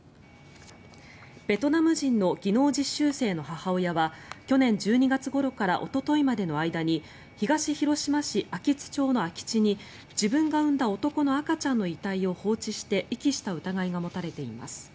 ベトナム人の技能実習生の母親は去年１２月ごろからおとといまでの間に東広島市安芸津町の空き地に自分が生んだ男の赤ちゃんの遺体を放置して遺棄した疑いが持たれています。